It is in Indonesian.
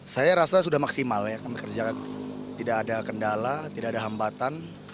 saya rasa sudah maksimal ya kami kerjakan tidak ada kendala tidak ada hambatan